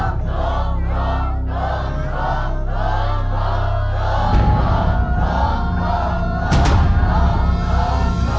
และ